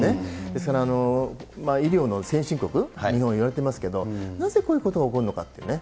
ですから、医療の先進国、日本はいわれてますけど、なぜこういうことが起こるのかってね。